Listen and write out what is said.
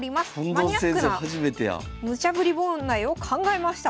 マニアックなムチャぶり問題を考えました。